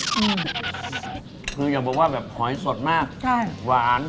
คืออย่าบอกว่าแบบหอยสดมากวาน